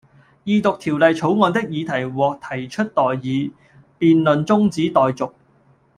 二讀條例草案的議題獲提出待議，辯論中止待續